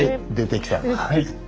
はい。